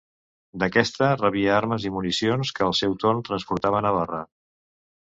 D'aquesta rebia armes i municions que al seu torn transportava a Navarra.